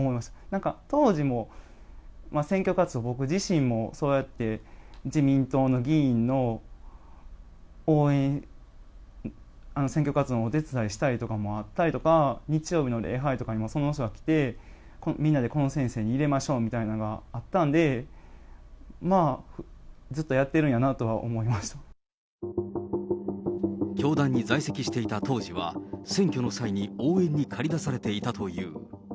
なんか当時も、選挙活動、僕自身も、そうやって自民党の議員の応援、選挙活動のお手伝いしたりとかもあったりとか、日曜日の礼拝とかにもその人が来て、みんなでこの先生に入れましょうみたいのがあったんで、ずっとや教団に在籍していた当時は、選挙の際に応援にかりだされていたという。